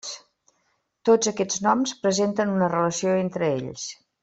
Tots aquests noms presenten una relació entre ells.